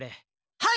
はい！